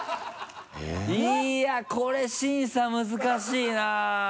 いやこれ審査難しいな。